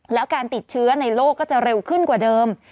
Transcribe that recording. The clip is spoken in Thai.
แล้วการติดเชื้อในโลกก็จะเร็วขึ้นกว่าเดิม